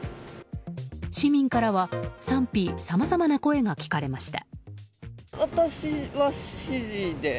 市民からは賛否さまざまな声が聞かれました。